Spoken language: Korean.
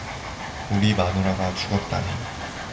우리 마누라가 죽었다네.